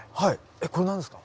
えっこれ何ですか？